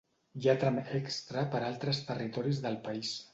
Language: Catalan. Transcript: Hi ha tram extra per altres territoris del país.